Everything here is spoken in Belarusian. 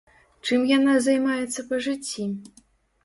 Чым яна займаецца па жыцці?